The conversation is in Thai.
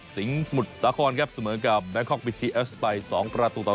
สิงสมุทรสาขวัญครับเสมอกับแบนคอร์กวิทยุทธิบรูเวฟชนบรี๒ประตูต่อ๒